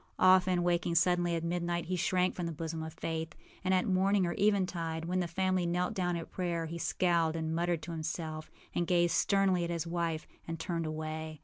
Often, waking suddenly at midnight, he shrank from the bosom of Faith; and at morning or eventide, when the family knelt down at prayer, he scowled and muttered to himself, and gazed sternly at his wife, and turned away.